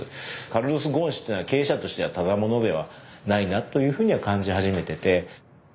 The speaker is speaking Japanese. カルロス・ゴーン氏っていうのは経営者としてはただ者ではないなというふうには感じ始めてて。